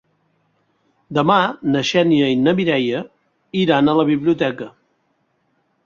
Demà na Xènia i na Mireia iran a la biblioteca.